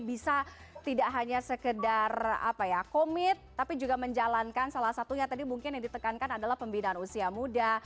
bisa tidak hanya sekedar komit tapi juga menjalankan salah satunya tadi mungkin yang ditekankan adalah pembinaan usia muda